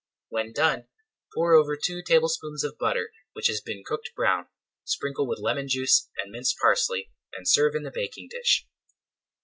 When done, pour over two tablespoonfuls of butter which has been cooked brown, sprinkle with lemon juice and minced parsley, and serve in the baking dish.